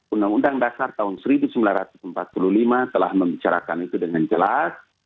undang undang dasar tahun seribu sembilan ratus empat puluh lima telah membicarakan itu dengan jelas